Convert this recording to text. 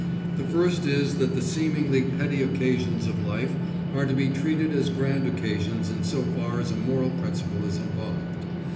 The first is that the seemingly petty occasions of life are to be treated as grand occasions in so far as a moral principle is involved.